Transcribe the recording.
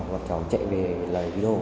thì bọn cháu chạy về lấy đồ